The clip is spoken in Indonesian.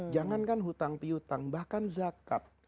jangankan hutang pihutang bahkan zakat